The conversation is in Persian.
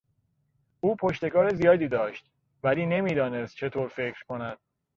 او پشتکار زیادی داشت ولی نمیدانست چطور فکر کند.